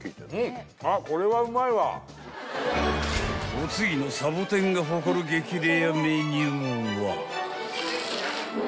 ［お次のさぼてんが誇る激レアメニューは］